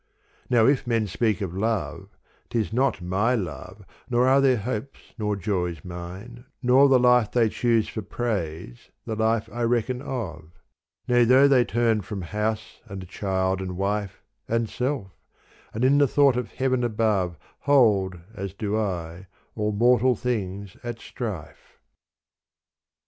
Now if men speak of love 't is not my love Nor are their hopes nor joys mine, nor the life They choose for praise the life I reckon of : Nay though they turn from house and child and wife And self, and in the thought of heaven above Hold, as do I, all mortal things at strife.